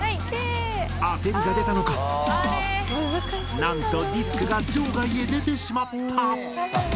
焦りが出たのかなんとディスクが場外へ出てしまった。